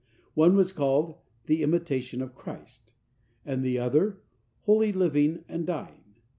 One was called "The Imitation of Christ," and the other "Holy Living and Dying."